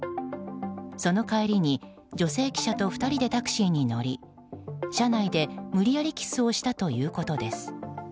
その帰りに女性記者と２人でタクシーに乗り車内で無理やりキスをしたということです。